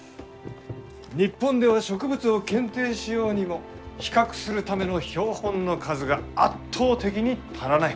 日本では植物を検定しようにも比較するための標本の数が圧倒的に足らない。